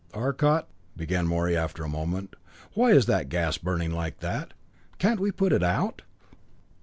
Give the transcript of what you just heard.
"Arcot," began Morey after a moment, "why is that gas burning like that? Can't we put it out?"